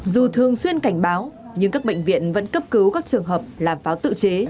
dù thường xuyên cảnh báo nhưng các bệnh viện vẫn cấp cứu các trường hợp là pháo tự chế